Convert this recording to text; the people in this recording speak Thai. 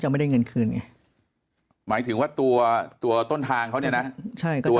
ไม่ได้เงินคืนไงหมายถึงว่าตัวตัวต้นทางเขาเนี่ยนะใช่ตัว